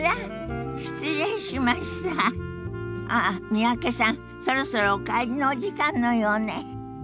三宅さんそろそろお帰りのお時間のようね。